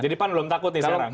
jadi pan belum takut nih sekarang